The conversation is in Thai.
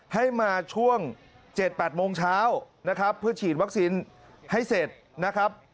ให้มาช่วง๗๘โมงเช้านะครับเพื่อฉีดวัคซีนให้เสร็จนะครับ